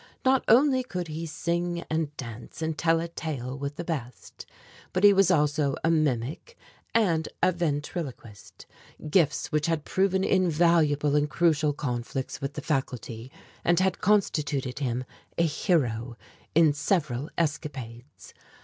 Not only could he sing and dance and tell a tale with the best, but he was also a mimic and a ventriloquist, gifts which had proven invaluable in crucial conflicts with the faculty, and had constituted him a hero in several escapades.